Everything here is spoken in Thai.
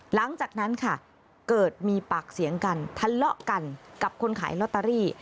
หลังจากนั้นค่ะเกิดมีปากเสียงกันทะเลาะกันกับคนขายลอตเตอรี่